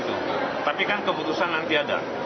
tapi kan keputusan nanti ada